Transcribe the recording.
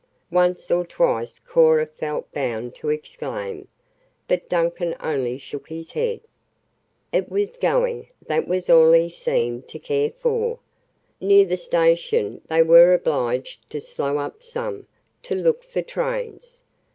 Once or twice Cora felt bound to exclaim, but Duncan only shook his head. It was going, that was all he seemed to care for. Near the station they were obliged to slow up some to look for trains.